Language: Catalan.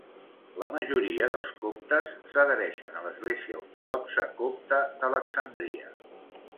La majoria dels coptes s'adhereixen a l'Església ortodoxa copta d'Alexandria.